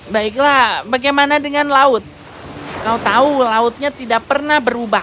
baiklah bagaimana dengan laut kau tahu lautnya tidak pernah berubah